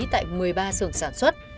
tại một mươi ba sưởng sản xuất